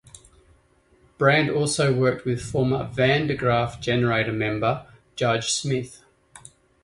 Brand also worked with former Van der Graaf Generator member Judge Smith.